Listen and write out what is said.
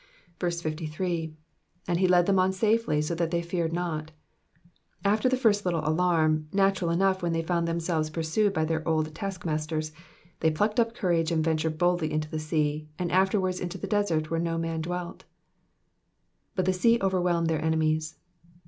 53. ''''And he led them on safely^ so that they feared not.^^ After the first little alarm, natural enough when they found themselves pursued by their old taskmasters, they plucked up courage and ventured boldly into the sea, and afterwards into the desert wheie no man dwelt. ^^But the sea ovenchelm^d their enemies.''''